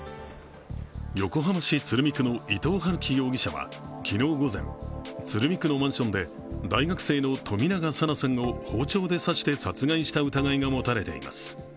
横浜市鶴見区の伊藤龍稀容疑者は昨日午前、鶴見区のマンションで大学生の冨永紗菜さんを包丁で刺して殺害した疑いが持たれています。